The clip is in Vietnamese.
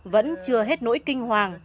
vẫn chưa hết nỗi kinh hoàng